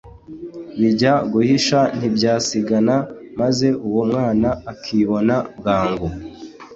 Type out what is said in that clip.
bijya guhisha ntibyasigana maze uwo mwana akibona bwangu